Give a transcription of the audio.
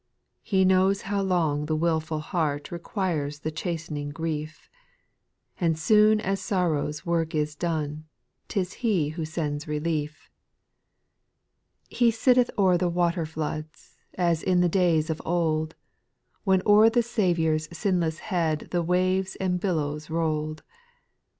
4. He knows how long the wilful heart Requires the chast'ning grief; And soon as sorrow's work \a doTie, 'T 13 He who sends relief. SPIRITUAL SONGS. 257 6. He sitteth o'er the waterfloods, As in the days of old ; When o'er the Saviour's sinless head The waves and billows roU'd. 6.